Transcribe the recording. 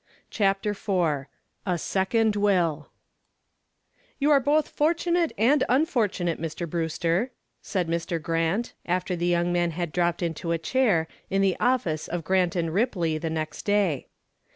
CHAPTER IV A SECOND "You are both fortunate and unfortunate, Mr. Brewster," said Mr. Grant, after the young man had dropped into a chair in the office of Grant & Ripley the next day.